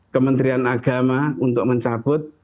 kementerian agama untuk mencabut